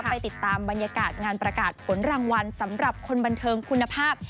ไปติดตามบรรยากาศงานประกาศผลรางวัลสำหรับคนบันเทิงคุณภาพ